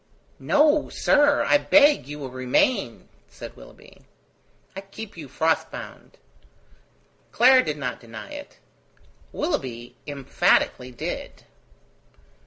"No, sir, I beg you will remain," said Willoughby. "I keep you frost bound." Clara did not deny it. Willoughby emphatically did.